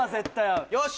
よし！